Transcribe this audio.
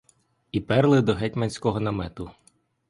І перли до гетьманського намету.